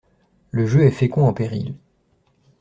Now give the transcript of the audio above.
Le jeu est fécond en périls.